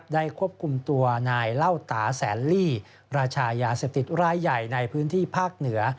ควบคุมตัวนายเล่าตาแสนลี่ราชายาเสพติดรายใหญ่ในพื้นที่ภาคเหนือ